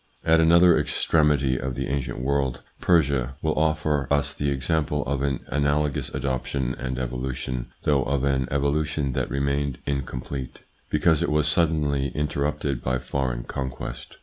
At another extremity of the ancient world, Persia will offer us the example of an analogous adoption and evolution, though of an evolution that remained incomplete, because it was suddenly interrupted by foreign conquest.